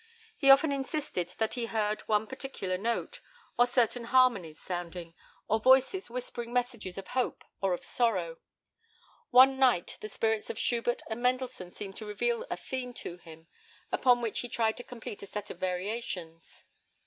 He often insisted that he heard one particular note, or certain harmonies sounding, or voices whispering messages of hope or of sorrow. One night the spirits of Schubert and Mendelssohn seemed to reveal a theme to him, upon which he tried to complete a set of variations.